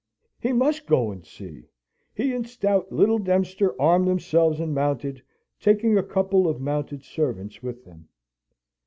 He must go and see. He and stout little Dempster armed themselves and mounted, taking a couple of mounted servants with them.